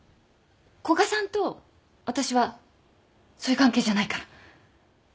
古賀さんと私はそういう関係じゃないから。